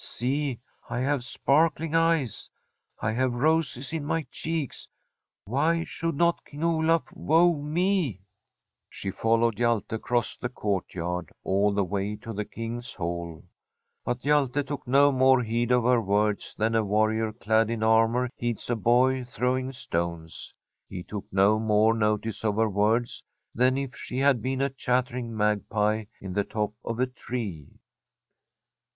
See, I have sparkling eyes; I have roses in my cheeks. Why should not King Olaf woo me ?' She followed Hjalte across the courtyard all the way to the King's Hall ; but Hjalte took no more heed of her words than a warrior clad in armour heeds a boy throwing stones. He took no more notice of her words than if she had been a chattering magpie in the top of a tree.